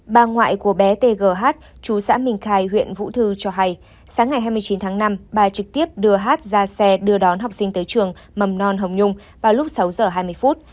bà ngoại của bé tgh chú xã minh khai huyện vũ thư cho hay sáng ngày hai mươi chín tháng năm bà trực tiếp đưa hát ra xe đưa đón học sinh tới trường mầm non hồng nhung vào lúc sáu giờ hai mươi phút